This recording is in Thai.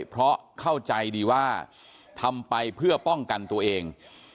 เพราะเข้าใจดีว่าทำไปเพื่อป้องกันตัวเอง